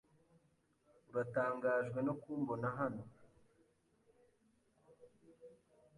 Uratangajwe no kumbona hano?